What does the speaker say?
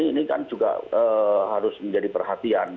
ini kan juga harus menjadi perhatian